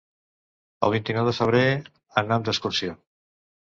El vint-i-nou de febrer anam d'excursió.